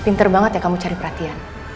pinter banget ya kamu cari perhatian